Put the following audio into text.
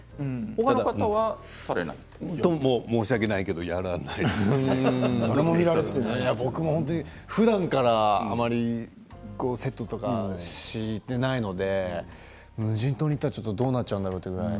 申し訳ないけど僕も、ふだんからあまりセットとかしていないので無人島に行ったら、ちょっとどうなっちゃうんだろうというぐらい。